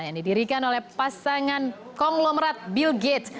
yang didirikan oleh pasangan konglomerat bill gates